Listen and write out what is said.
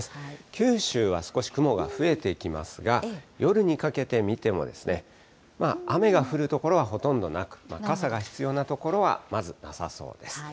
九州は少し雲が増えてきますが、夜にかけて見ても、まあ雨が降る所はほとんどなく、傘が必要な所はまずなさそうです。